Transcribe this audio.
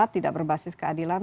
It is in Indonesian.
tidak berbasis keadilan